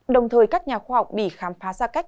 đồng thời các nhà khoa học bị khám phá ra cách